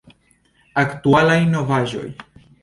Aktualaj novaĵoj!